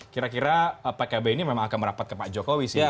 kira kira pkb ini akan merapat ke pak jokowi